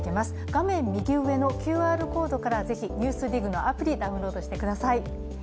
画面右上のＱＲコードからぜひ「ＮＥＷＳＤＩＧ」のアプリ、ダウンロードしてください。